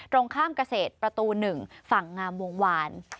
ตรงข้ามเกษตรประตู๑ฝั่งงามวงวาน